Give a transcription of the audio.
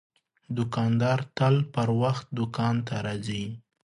دوکاندار تل پر وخت دوکان ته راځي.